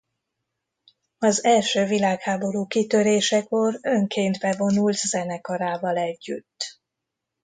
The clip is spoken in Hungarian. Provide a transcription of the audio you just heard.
Az első világháború kitörésekor önként bevonult zenekarával együtt.